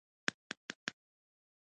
دفاعي دېوالونه او سپر جوړ کړي.